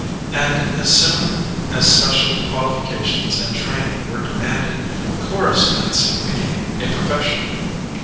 And, 80 soon as special qualifications and training were demanded, chorus dancing became a profession.